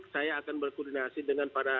saya akan berkoordinasi dengan para